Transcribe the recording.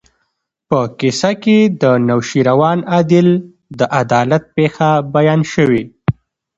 په کیسه کې د نوشیروان عادل د عدالت پېښه بیان شوې.